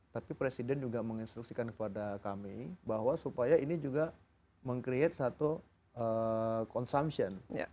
tapi presiden juga menginstruksikan kepada kami bahwa supaya ini juga meng create satu consumption